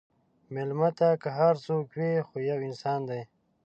مېلمه ته که هر څوک وي، خو یو انسان دی.